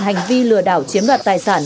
hành vi lừa đảo chiếm đoạt tài sản